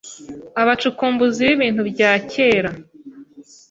Abacukumbuzi b’ibintu bya kera